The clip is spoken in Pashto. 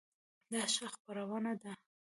دا ښه خپرونه ده؟